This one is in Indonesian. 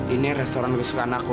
ini restoran kesukaan aku